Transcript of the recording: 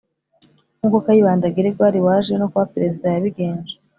nk uko Kayibanda Gregoire waje no kuba perezida yabigenje